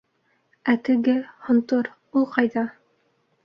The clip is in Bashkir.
Ә теге... һонтор... ул ҡайҙа?